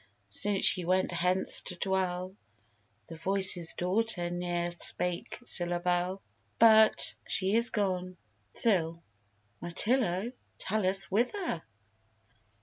since she went hence to dwell, The Voice's Daughter ne'er spake syllable. But she is gone. SIL. Mirtillo, tell us whither?